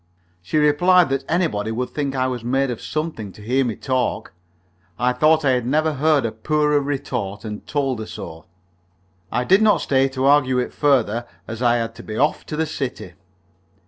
She replied that anybody would think I was made of something to hear me talk. I thought I had never heard a poorer retort, and told her so. I did not stay to argue it further, as I had to be off to the city.